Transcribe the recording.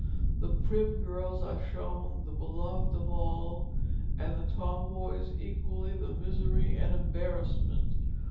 The prim girls are shown the beloved of all, and the tomboys equally the misery and embarrassment.